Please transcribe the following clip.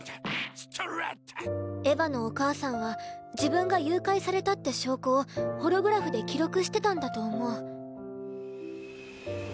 エヴァのお母さんは自分が誘拐されたって証拠をホログラフで記録してたんだと思う。